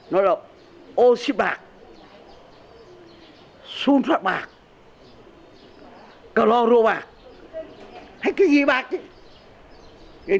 nó là oxy bạc sun soat bạc calorobac hay cái gì bạc chứ